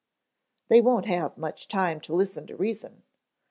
"They won't have much time to listen to reason.